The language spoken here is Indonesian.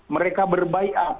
mereka berbuy up